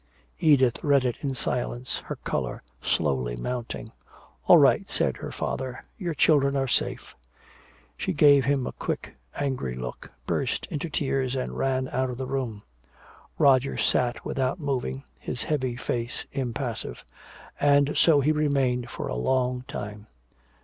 Edith read it in silence, her color slowly mounting. "All right," said her father, "your children are safe." She gave him a quick angry look, burst into tears and ran out of the room. Roger sat without moving, his heavy face impassive. And so he remained for a long time.